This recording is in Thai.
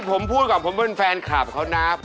ผมพูดกับผมเป็นแฟนคลับเขานะ